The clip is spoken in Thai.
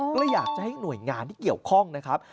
ก็เลยอยากจะให้หน่วยงานที่เกี่ยวข้องนะครับ